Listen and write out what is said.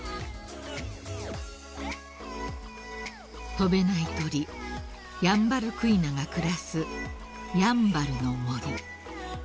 ［飛べない鳥ヤンバルクイナが暮らすやんばるの森］